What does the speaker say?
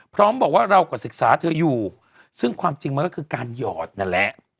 พร้อมบอกว่าเราก็ศึกษาเธออยู่ซึ่งความจริงมันก็คือการหยอดนั่นแหละ